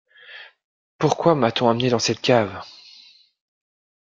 Pourquoi m’a-t-on amené dans cette cave?